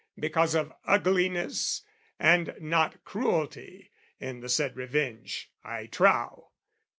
Because of ugliness, and not Cruelty, in the said revenge, I trow!